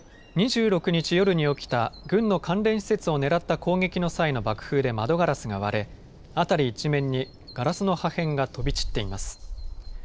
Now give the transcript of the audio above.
２６日夜に起きた軍の関連施設を狙った攻撃の際の爆風で窓ガラスが割れ辺り一面にガラスの破片が飛び散っています。